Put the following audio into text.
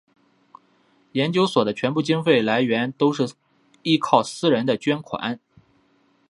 研究所的全部经费来源都是依靠私人的捐款。